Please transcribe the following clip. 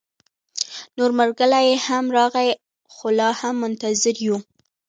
نور ملګري هم راغلل، خو لا هم منتظر يو